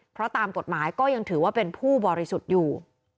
เพราะตามกฎหมายก็ยังถือว่าเป็นผู้บริสุทธิ์อยู่